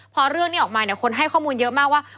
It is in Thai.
พอเรื่องนี้ออกมาเนี่ยคนให้ข้อมูลเยอะมากว่า